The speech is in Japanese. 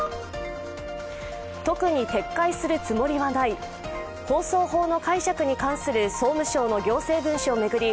特に撤回するつもりはない、放送法の解釈に関する総務省の行政文書を巡り